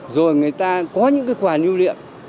rồi người ta có những cái quà lưu luyện